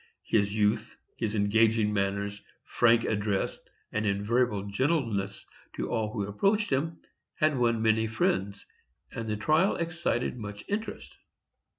His youth, his engaging manners, frank address, and invariable gentleness to all who approached him, had won many friends, and the trial excited much interest.